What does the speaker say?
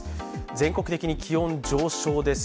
全国的に気温上昇です。